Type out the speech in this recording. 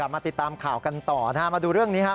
มาติดตามข่าวกันต่อนะฮะมาดูเรื่องนี้ฮะ